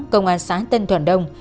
công an xã tân thuận đông